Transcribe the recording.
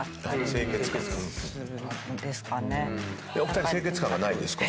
お二人清潔感がないですか？